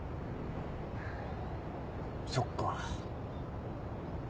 そっか。